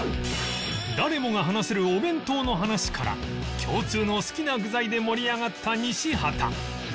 誰もが話せるお弁当の話から共通の好きな具材で盛り上がった西畑